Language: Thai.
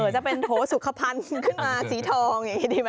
จะเป็นโถสุขภัณฑ์ขึ้นมาสีทองอย่างนี้ดีไหม